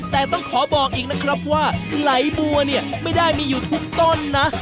แต่ต้องขอบอกอีกนะครับว่าไหลบัวเนี่ยไม่ได้มีอยู่ทุกต้นนะ